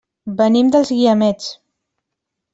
Venim dels Guiamets.